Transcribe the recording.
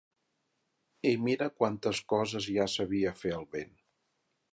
I mira quantes coses ja sabia fer el vent!